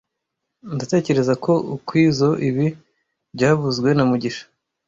Ndatekereza ko ukwizoe ibi byavuzwe na mugisha